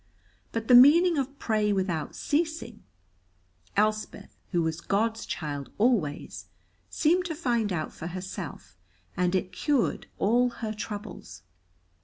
But the meaning of "Pray without ceasing," Elspeth, who was God's child always, seemed to find out for herself, and it cured all her troubles.